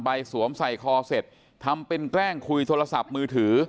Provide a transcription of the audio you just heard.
สวมใส่คอเสร็จทำเป็นแกล้งคุยโทรศัพท์มือถือ